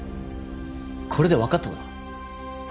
これで分かっただろ。